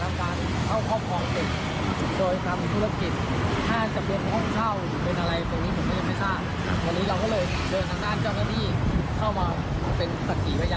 เข้ามาเป็นศักดิ์กระยานในการตรวจสอบ